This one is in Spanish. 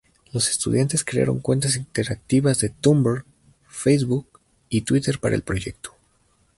Los estudiantes crearon cuentas interactivas de Tumblr, Facebook y Twitter para el proyecto.